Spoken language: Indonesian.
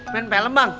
plan pelem bang